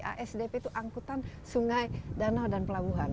asdp itu angkutan sungai danau dan pelabuhan